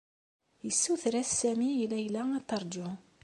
Yessuter-as Sami i Layla ad teṛju.